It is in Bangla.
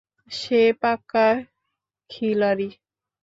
সে পাক্কা খিলাড়ি।